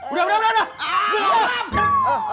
udah udah udah